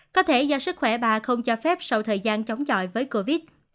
có thể do sức khỏe bà không cho phép sau thời gian chống chọi với covid